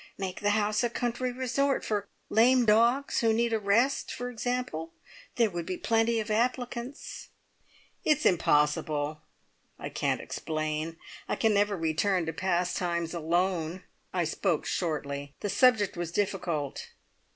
Make the house a country resort for lame dogs who need a rest, for example? There would be plenty of applicants." "It's impossible! I can't explain. I can never return to `Pastimes' alone." I spoke shortly. The subject was difficult.